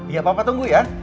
ya papa tunggu ya